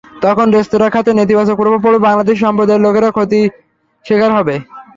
তখন রেস্তোরাঁ খাতে নেতিবাচক প্রভাব পড়বে, বাংলাদেশি সম্প্রদায়ের লোকেরা ক্ষতির শিকার হবে।